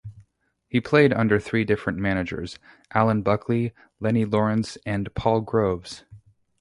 He played under three different managers, Alan Buckley, Lennie Lawrence and Paul Groves.